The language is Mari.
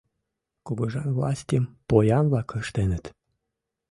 Кугыжан властьым поян-влак ыштеныт.